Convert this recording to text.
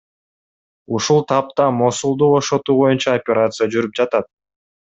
Ушул тапта Мосулду бошотуу боюнча операция жүрүп жатат.